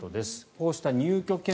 こうした入居権